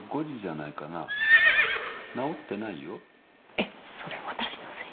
えっそれ私のせい？